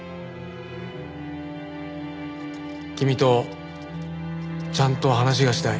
「君とちゃんと話がしたい」